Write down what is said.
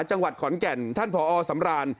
จังหวัดขอนแก่นท่านผอสำราน